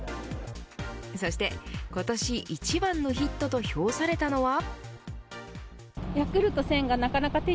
そして今年一番のヒットと評されたのは。